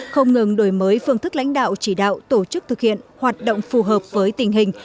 không ngừng đổi mới phương thức lãnh đạo chỉ đạo tổ chức thực hiện hoạt động phù hợp với tình hình